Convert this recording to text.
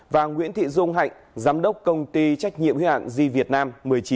và nguyễn thị dung hạnh giám đốc công ty trách nhiệm hiểu hạn g việt nam một mươi chín